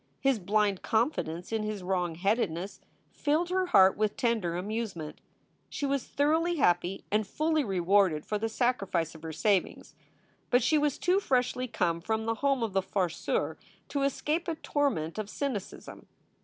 His blind confidence in his wrongheadedness filled her heart with tender amusement. She was thoroughly happy and fully rewarded for the sacrifice of her savings, but she was too freshly come from the home of the farceur to escape a torment of cynicism.